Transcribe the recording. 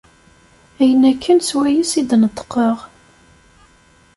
Ayen akken swayes i d-neṭqeɣ.